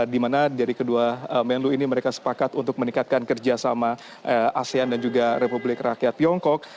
di mana dari kedua men lu ini mereka sepakat untuk meningkatkan kerjasama asean dan juga republik rakyat tiongkok